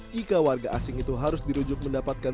jika warga asing itu harus dirujuk mendapatkan